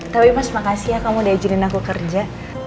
tapi mas makasih ya kamu udah izinin aku kerja